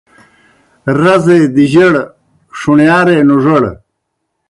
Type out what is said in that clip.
رزے دِجَڑ ݜُݨیارے نُوڙَڑ